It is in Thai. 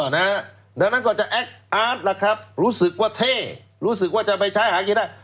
ดังนั้นก็จะแอคอาร์ตล่ะครับรู้สึกว่าเท่รู้สึกว่าจะไปใช้หากินได้